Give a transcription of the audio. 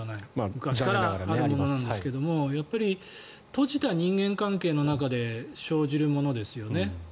昔からあるものなんですがやっぱり閉じた人間関係の中で生じるものですよね。